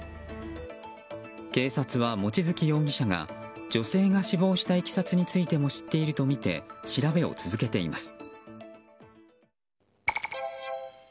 警察は望月容疑者が女性が死亡したいきさつについても知っているとみて調べを続けています。